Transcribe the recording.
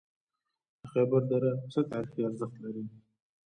د خیبر دره څه تاریخي ارزښت لري؟